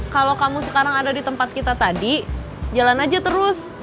kalau kamu sekarang ada di tempat kita tadi jalan aja terus